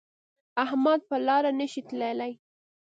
احمد په لاره نشي تللی.